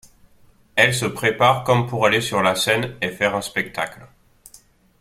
Elle se prépare comme pour aller sur la scène et faire un spectacle.